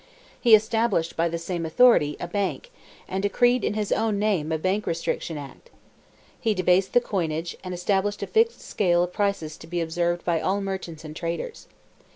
He established, by the same authority, a bank, and decreed in his own name a bank restriction act. He debased the coinage, and established a fixed scale of prices to be observed by all merchants and traders.